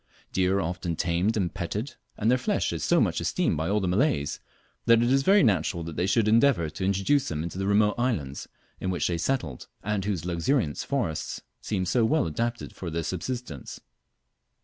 Deer are often tamed and petted, and their flesh is so much esteemed by all Malays, that it is very natural they should endeavour to introduce them into the remote islands in which they settled, and whose luxuriant forests seem so well adapted for their subsistence.